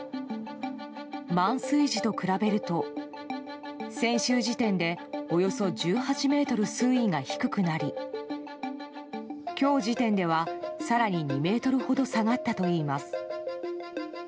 満水時と比べると、先週時点でおよそ１８ｍ水位が低くなり今日時点では更に２ｍほど下がったといいます。